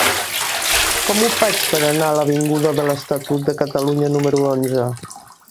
Com ho faig per anar a l'avinguda de l'Estatut de Catalunya número onze?